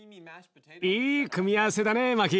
いい組み合わせだねマキ。